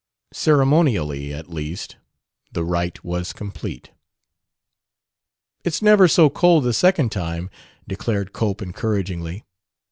Ceremonially, at least, the rite was complete. "It's never so cold the second time," declared Cope encouragingly.